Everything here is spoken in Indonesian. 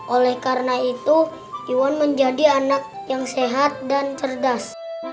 oleh karena itu iwan menjadi anak yang sehat dan cerdas